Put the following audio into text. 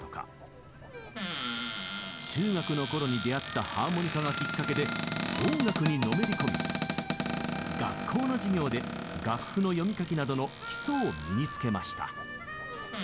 中学のころに出会ったハーモニカがきっかけで音楽にのめり込み学校の授業で楽譜の読み書きなどの基礎を身につけました。